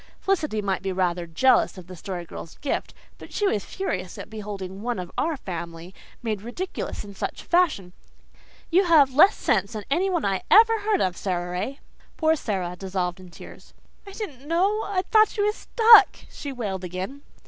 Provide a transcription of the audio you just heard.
Felicity might be rather jealous of the Story Girl's gift, but she was furious at beholding "one of our family" made ridiculous in such a fashion. "You have less sense than anyone I ever heard of, Sara Ray." Poor Sara dissolved in tears. "I didn't know. I thought she was stuck," she wailed again.